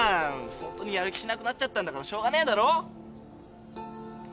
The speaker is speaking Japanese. ホントにヤル気しなくなっちゃったんだからしょうがねえだろ。